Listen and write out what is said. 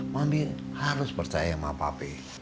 mami harus percaya sama mami